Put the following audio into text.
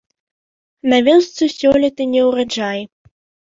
На вёсцы сёлета неўраджай.